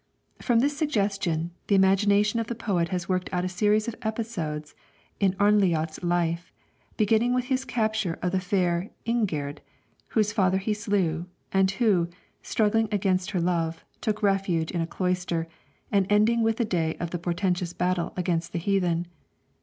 From this suggestion, the imagination of the poet has worked out a series of episodes in Arnljot's life, beginning with his capture of the fair Ingigerd whose father he slew, and who, struggling against her love, took refuge in a cloister and ending with the day of the portentous battle against the heathen.